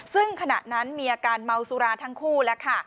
ซึ่งขณะนั้นมีอาการเมาสุราทั้งคู่แล้วค่ะ